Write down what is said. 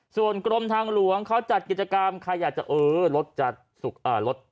ส่วนกรมทางหลวงเขาจัดกิจกรรมใครอยากจะเออรถจะลด